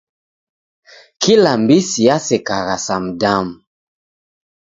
Kila mbisi yasekagha sa mdamu.